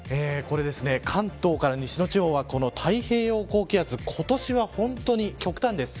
関東から西の地方は太平洋高気圧今年は本当に極端です。